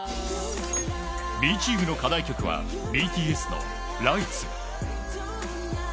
Ｂチームの課題曲はＢＴＳの『Ｌｉｇｈｔｓ』。